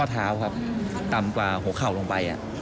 เท้าครับต่ำกว่าหัวเข่าลงไป